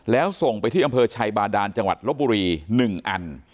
แล้วส่งไปที่อำเภอชัยบาดานจังหวัดลบบุรี๑อัน